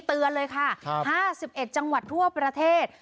เตือนเลยค่ะ๕๑จังหวัดทั่วประเทศ